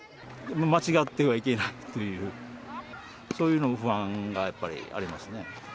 間違ってはいけないっていう、そういうような不安がやっぱりありますね。